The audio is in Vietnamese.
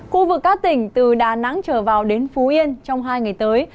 khu vực các tỉnh từ đà nẵng trở vào đến phú yên trong hai ngày tới